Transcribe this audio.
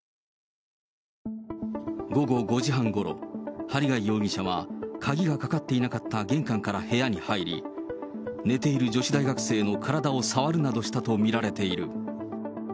午後５時半ごろ、針谷容疑者は鍵がかかっていなかった玄関から部屋に入り、寝ている女子大学生の体を触るなどしたと見られている。